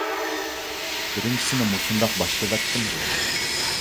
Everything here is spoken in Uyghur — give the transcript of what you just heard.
بىرىنچىسىنى مۇشۇنداق باشلىۋەتتىمغۇ!